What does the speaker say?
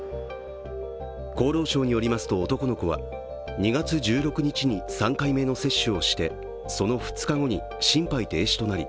厚労省によりますと男の子は２月１６日に３回目の接種をして、その２日後に心肺停止となり